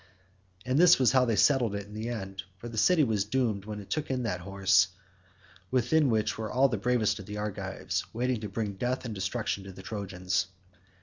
And this was how they settled it in the end, for the city was doomed when it took in that horse, within which were all the bravest of the Argives waiting to bring death and destruction on the Trojans.